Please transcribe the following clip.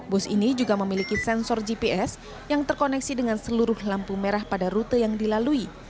bus ini juga memiliki sensor gps yang terkoneksi dengan seluruh lampu merah pada rute yang dilalui